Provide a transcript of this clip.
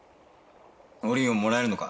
おりんをもらえるのか？